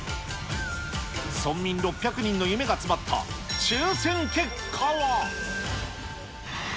村民６００人の夢が詰まった抽せん結果は。